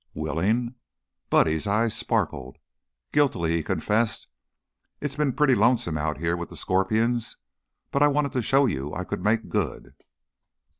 "Willing?" Buddy's eyes sparkled. Guiltily he confessed: "It's been pretty lonesome out here with the scorpions. But I wanted to show you I could make good."